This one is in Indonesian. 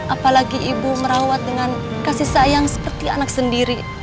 apalagi ibu merawat dengan kasih sayang seperti anak sendiri